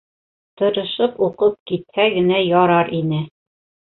Тырышып уҡып китһә генә ярар ине...